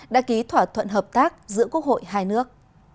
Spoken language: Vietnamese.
đã ký thỏa thuận hợp tác giữa quốc hội hai nước